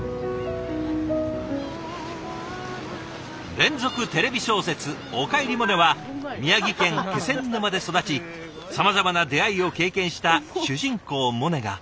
連続テレビ小説「おかえりモネ」は宮城県気仙沼で育ちさまざまな出会いを経験した主人公モネが。